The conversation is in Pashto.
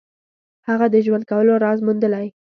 هغه د ژوند کولو راز موندلی.